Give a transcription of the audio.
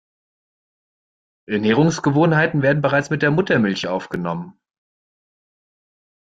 Ernährungsgewohnheiten werden bereits mit der Muttermilch aufgenommen.